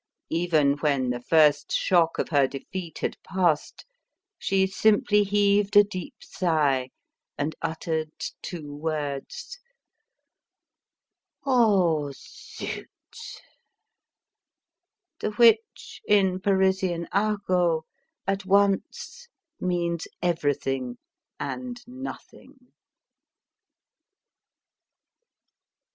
Even when the first shock of her defeat had passed, she simply heaved a deep sigh, and uttered two words, "Oh, Zut!" The which, in Parisian argot, at once means everything and nothing.